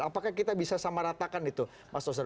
apakah kita bisa samaratakan itu pak s b